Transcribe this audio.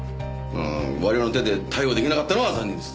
我々の手で逮捕出来なかったのは残念です。